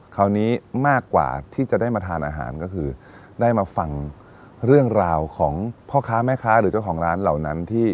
คราวนี้มากกว่าที่จะได้มาทานอาหารก็คือได้มาฟังเรื่องราวของพ่อค้าแม่ค้าหรือเจ้าของร้านเหล่านั้นที่